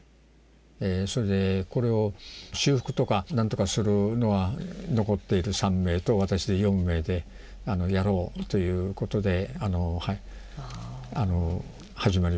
それでこれを修復とか何とかするのは残っている３名と私で４名でやろうということで始まりました。